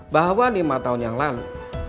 bahwa lima tahun yang lalu